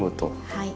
はい。